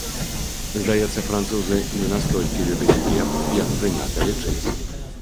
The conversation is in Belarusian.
Здаецца, французы не настолькі любяць хлеб, як прынята лічыць.